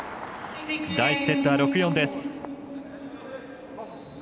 第１セットは６−４です。